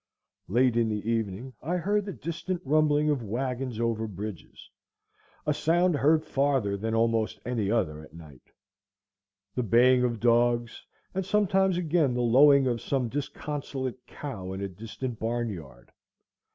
Late in the evening I heard the distant rumbling of wagons over bridges,—a sound heard farther than almost any other at night,—the baying of dogs, and sometimes again the lowing of some disconsolate cow in a distant barn yard.